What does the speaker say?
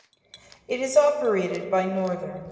It is operated by Northern.